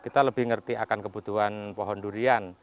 kita lebih ngerti akan kebutuhan pohon durian